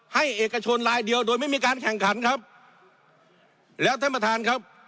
เอกชนลายเดียวโดยไม่มีการแข่งขันครับแล้วท่านประธานครับ